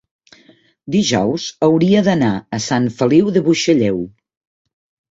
dijous hauria d'anar a Sant Feliu de Buixalleu.